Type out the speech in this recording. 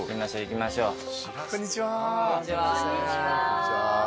こんにちは。